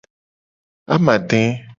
Amade.